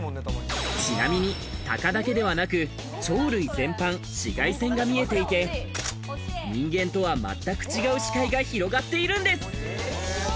ちなみにタカだけではなく、鳥類全般、紫外線が見えていて、人間とはまったく違う視界が広がっているんです。